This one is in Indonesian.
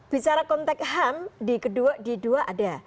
bicara kontek ham di kedua di dua ada